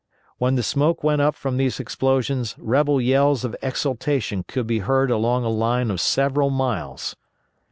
When the smoke went up from these explosions rebel yells of exultation could be heard along a line of several miles.